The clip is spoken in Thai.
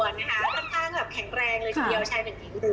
ตัวนะคะค่อนข้างแบบแข็งแรงเลยทีเดียวใช้แบบนี้